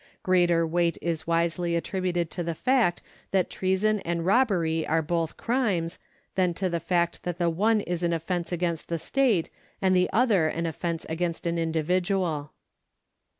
Greater weight is wisely attributed to the fact that treason and robbery are both crimes, than to the fact that the one is an offence against the state anil the other an olfence against an individual.